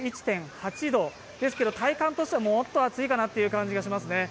ですけれども、体感としてはもっと暑いかなという感じですね。